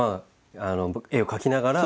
絵を描きながら？